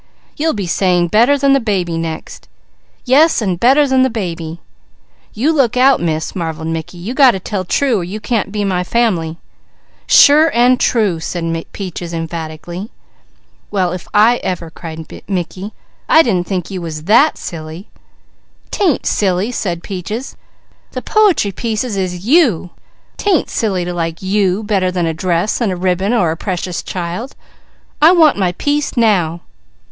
"You'll be saying better than the baby, next!" "Yes, an' better than the baby!" "You look out Miss," marvelled Mickey. "You got to tell true or you can't be my family." "Sure and true!" said Peaches emphatically. "Well if I ever!" cried Mickey. "I didn't think you was that silly!" "'Tain't silly!" said Peaches. "The po'try pieces is you! 'Tain't silly to like you better than a dress, and a ribbon, or a Precious Child. I want my piece now!"